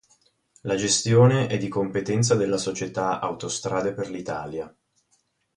La gestione è di competenza della società "Autostrade per l'Italia".